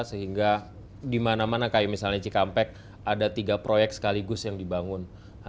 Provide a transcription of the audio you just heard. sehingga di mana mana kayak misalnya cikampek ada tiga proyek sekaligus yang dibangun